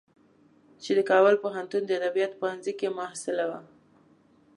چې د کابل پوهنتون د ادبیاتو پوهنځی کې محصله وه.